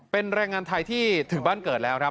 เป็นแรงงานไทยที่ถึงบ้านเกิดแล้วครับ